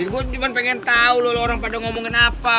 gue cuma pengen tau loh orang pada ngomongin apa